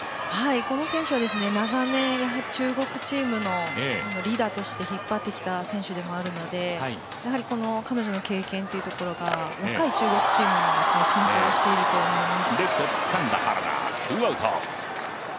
この選手は長年中国チームのリーダーとして引っ張ってきているのでやはり彼女の経験というところが若い中国チームに浸透していると思います。